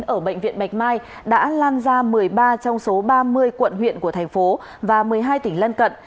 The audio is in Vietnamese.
ở bệnh viện bạch mai đã lan ra một mươi ba trong số ba mươi quận huyện của thành phố và một mươi hai tỉnh lân cận